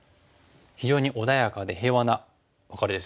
非常に穏やかで平和なワカレですよね。